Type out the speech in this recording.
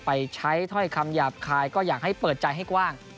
ไปใช้ถ้อยคำหยาบคายก็อยากให้เปิดใจให้กว้าง